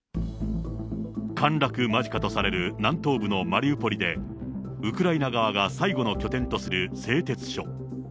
陥落間近とされる南東部のマリウポリで、ウクライナ側が最後の拠点とする製鉄所。